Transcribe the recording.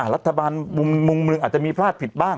รัฐบาลมุมเมืองอาจจะมีพลาดผิดบ้าง